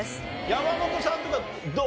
山本さんとかどう？